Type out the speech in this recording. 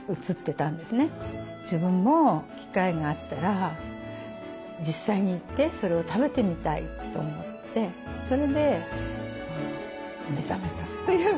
自分も機会があったら実際に行ってそれを食べてみたいと思ってそれで目覚めたということですね。